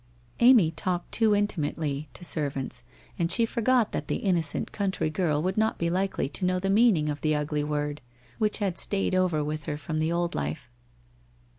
Amy talked too intimately to servants and she forgot that the innocent country girl would not be likely to know the meaning of the ugly word, which had stayed over with her from the old life.